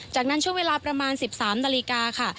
จากนั้นช่วงเวลาประมาณ๑๓นาฬิกาค่ะ